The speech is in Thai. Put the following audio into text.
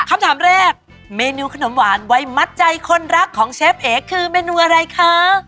คำถามแรกเมนูขนมหวานไว้มัดใจคนรักของเชฟเอ๋คือเมนูอะไรคะ